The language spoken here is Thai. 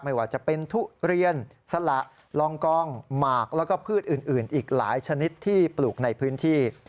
ไม่ว่าจะเป็นทุเรียนสละลองกองหมากแล้วก็พืชอื่นอีกหลายชนิดที่ปลูกในพื้นที่